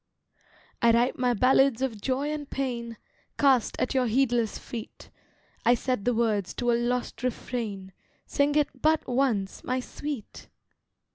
I write my ballads of joy and pain, Cast at your heedless feet, I set the words to a lost refrain, Sing it but once, my Sweet!